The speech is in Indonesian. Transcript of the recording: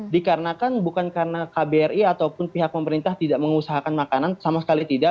dikarenakan bukan karena kbri ataupun pihak pemerintah tidak mengusahakan makanan sama sekali tidak